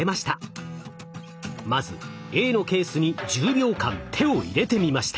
まずＡのケースに１０秒間手を入れてみました。